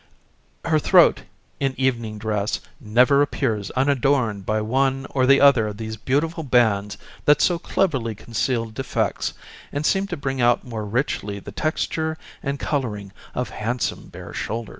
Her throat, in evening dress, never appears unadorned by one or the other of these beautiful bands that so cleverly conceal defects and seem to bring out more richly the texture and coloring of handsome bare shoulders.